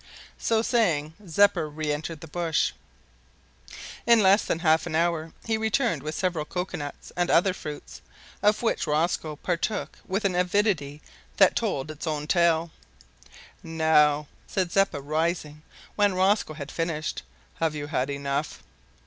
So saying, Zeppa re entered the bush. In less than half an hour he returned with several cocoa nuts and other fruits, of which Rosco partook with an avidity that told its own tale. "Now," said Zeppa, rising, when Rosco had finished, "have you had enough?"